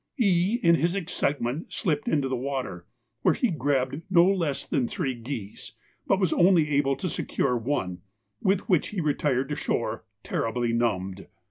E. in his excitement slipped into the water, where he grabbed no less than three geese, but was only able to secure one, with which he retired to shore terribly numbed.